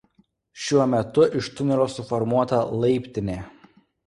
Šiuo metu iš tunelio suformuota laiptinė.